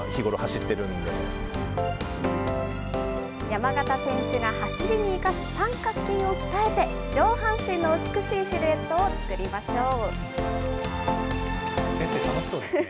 山縣選手が走りに生かす三角筋を鍛えて、上半身の美しいシル楽しそうですね。